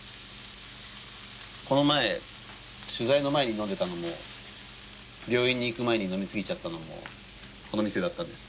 この前取材の前に飲んでたのも病院に行く前に飲み過ぎちゃったのもこの店だったんです。